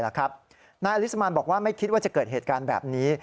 นายอลิสมานบอกว่าไม่คิดว่าจะเกิดเหตุการณ์แบบนี้